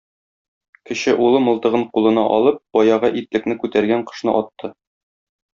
Кече улы мылтыгын кулына алып, баягы итлекне күтәргән кошны атты.